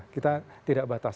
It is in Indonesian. kita tidak batas